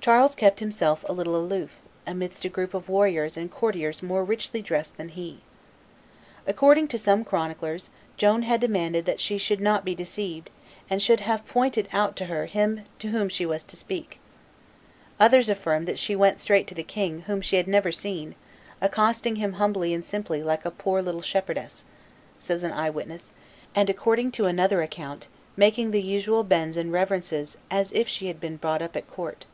Charles kept himself a little aloof, amidst a group of warriors and courtiers more richly dressed than he. According to some chroniclers, Joan had demanded that "she should not be deceived, and should have pointed out to her him to whom she was to speak;" others affirm that she went straight to the king, whom she had never seen, "accosting him humbly and simply, like a poor little shepherdess," says an eye witness, and, according to another account, "making the usual bends and reverences as if she had been brought up at court."